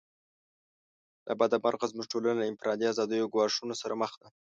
له بده مرغه زموږ ټولنه له انفرادي آزادیو ګواښونو سره مخ ده.